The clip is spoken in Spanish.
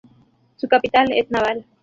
Su capital es Naval.